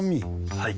はい。